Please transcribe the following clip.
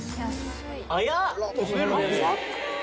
早っ！